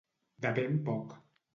De ben poc.